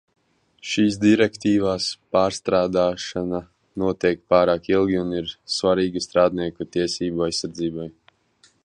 Šīs direktīvas pārstrādāšana notiek pārāk ilgi un ir svarīga strādnieku tiesību aizsardzībai.